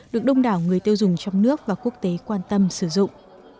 được đông đảo người tiêu dùng trong nước và quốc tế quan tâm sử dụng